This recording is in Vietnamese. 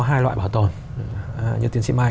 hai loại bảo tồn như tiến sĩ mai